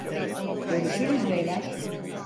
Görüşürüz beyler.